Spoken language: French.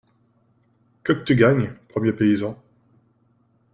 Que qu' tu gagnes ? premier paysan .